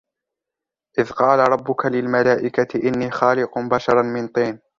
إِذْ قَالَ رَبُّكَ لِلْمَلَائِكَةِ إِنِّي خَالِقٌ بَشَرًا مِنْ طِينٍ